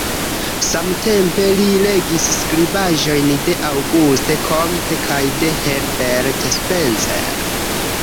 Samtempe li legis skribaĵojn de Auguste Comte kaj de Herbert Spencer.